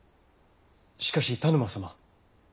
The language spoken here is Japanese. しかし田沼様。